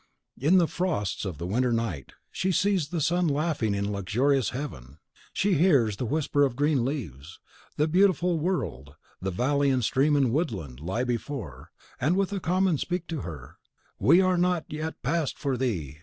In the frosts of the winter night, she sees the sun laughing in luxurious heaven, she hears the whisper of green leaves; the beautiful world, valley and stream and woodland, lie before, and with a common voice speak to her, "We are not yet past for thee!"